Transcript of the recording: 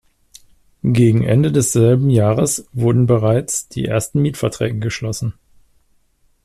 Gegen Ende desselben Jahres wurden bereits die ersten Mietverträge geschlossen.